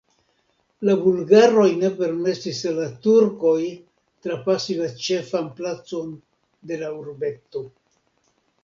La bulgaroj ne permesis al la turkoj trapasi la ĉefan placon de la urbeto.